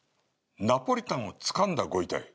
ナポリタンをつかんだご遺体？